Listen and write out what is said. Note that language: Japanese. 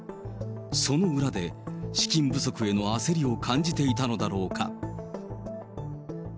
その裏で資金不足への焦りを感じていたのだろうか。